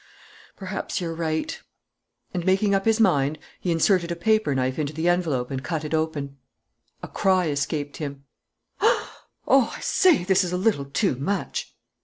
"Perhaps you're right." And, making up his mind, he inserted a paper knife into the envelope and cut it open. A cry escaped him. "Oh, I say, this is a little too much!"